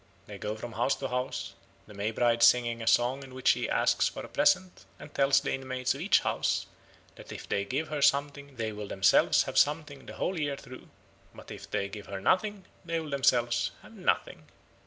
They go from house to house, the May Bride singing a song in which she asks for a present and tells the inmates of each house that if they give her something they will themselves have something the whole year through; but if they give her nothing they will themselves have nothing.